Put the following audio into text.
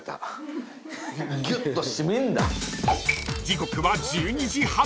［時刻は１２時半］